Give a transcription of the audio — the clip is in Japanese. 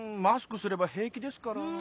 マスクすれば平気ですから。